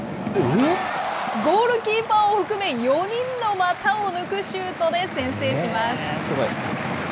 ゴールキーパーを含め４人の股を抜くシュートで先制します。